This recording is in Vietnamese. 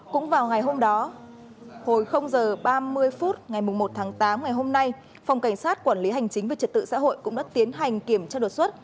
cũng vào ngày hôm đó hồi h ba mươi phút ngày một tháng tám ngày hôm nay phòng cảnh sát quản lý hành chính về trật tự xã hội cũng đã tiến hành kiểm tra đột xuất